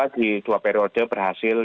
di dua periode berhasil